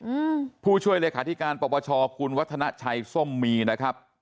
อืมผู้ช่วยเลขาธิการปปชคุณวัฒนาชัยส้มมีนะครับ